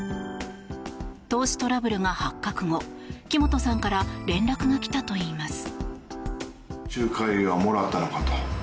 投資トラブルが発覚後木本さんから連絡がきたといいます。